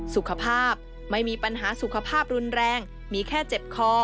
สุขภาพไม่มีปัญหาสุขภาพรุนแรงมีแค่เจ็บคอ